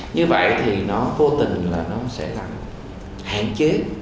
như vậy thì nó vô tình là nó sẽ gặp hạn chế